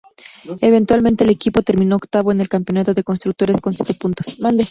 Eventualmente el equipo terminó octavo en el Campeonato de Constructores con siete puntos.